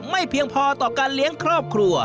เพียงพอต่อการเลี้ยงครอบครัว